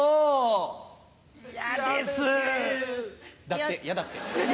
だって嫌だって。